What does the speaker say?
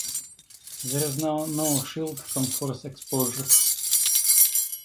There is now no shield from forced exposure.